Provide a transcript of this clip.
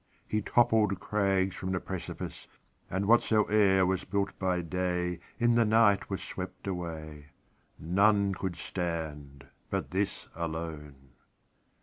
He toppled crags from the precipice, And whatsoe'er was built by dayIn the night was swept away:None could stand but this alone.